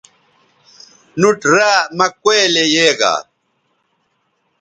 نُوٹ را مہ کولئ یے گا